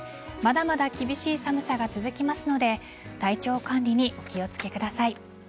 まだまだ厳しい寒さが続きますので体調管理にお気をつけください。